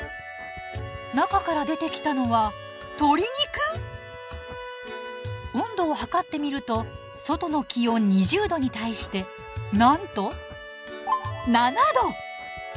中から出てきたのは鶏肉⁉温度を測ってみると外の気温２０℃に対してなんと７℃！